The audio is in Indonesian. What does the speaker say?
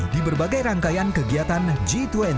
di berbagai rangkaian kegiatan g dua puluh